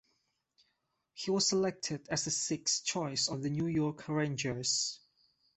He was selected as the sixth choice of the New York Rangers.